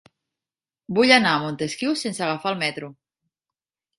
Vull anar a Montesquiu sense agafar el metro.